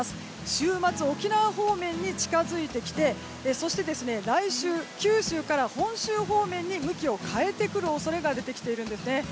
週末、沖縄方面に近づいてきてそして、来週九州から本州方面に向きを変えてくる恐れが出てきているんですね。